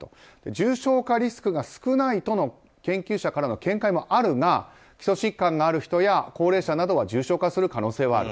重症化リスクが少ないとの研究者からの見解もあるが基礎疾患がある人や高齢者などは重症化する可能性はある。